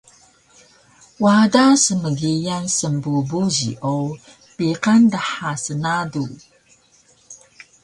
Wada dmgiyal smbu buji o biqan dha snadu